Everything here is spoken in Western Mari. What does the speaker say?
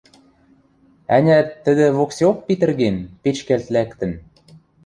Ӓнят, тӹдӹ воксеок питӹрген, печкӓлт лӓктӹн?»